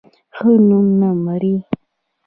ښه نوم نه مري